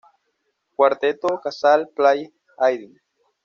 Cuarteto Casals play Haydn.